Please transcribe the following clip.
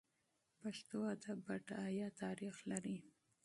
پښتو ادب بډایه تاریخ لري.